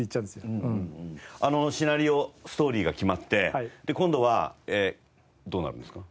あのシナリオストーリーが決まってで今度はどうなるんですか？